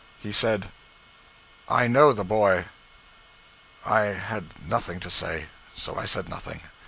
He said 'I know the boy.' I had nothing to say; so I said nothing.